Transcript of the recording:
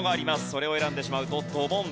それを選んでしまうとドボン。